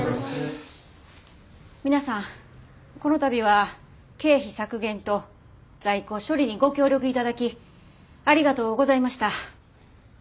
皆さんこの度は経費削減と在庫処理にご協力いただきありがとうございました。